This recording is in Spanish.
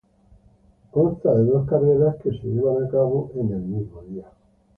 Consta de dos carreras que se llevan a cabo en el mismo día.